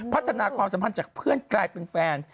พัฒนาความสัมพันธ์จากเพื่อนกลายเป็นแฟน